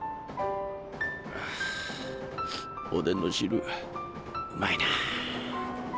あおでんの汁うまいな。